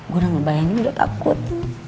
gue udah ngebayangin udah takut